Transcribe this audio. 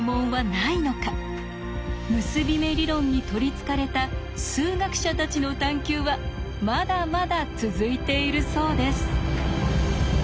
結び目理論に取りつかれた数学者たちの探求はまだまだ続いているそうです。